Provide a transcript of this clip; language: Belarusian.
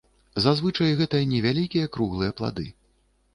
Зазвычай гэта невялікія круглыя плады.